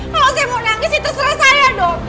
kalau saya mau nangis itu surat saya dong